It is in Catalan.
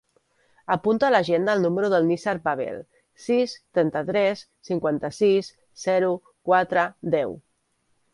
Apunta a l'agenda el número del Nizar Pavel: sis, trenta-tres, cinquanta-sis, zero, quatre, deu.